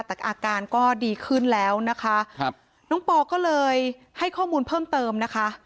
แต่อาการก็ดีขึ้นแล้วนะคะครับน้องปอก็เลยให้ข้อมูลเพิ่มเติมนะคะ